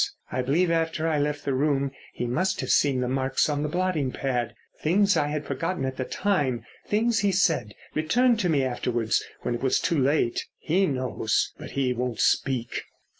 I believe after I left the room he must have seen the marks on the blotting pad. Things I had forgotten at the time, things he said, returned to me afterwards when it was too late. He knows, but he won't speak."